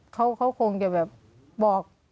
เขาคงจะแบบบอก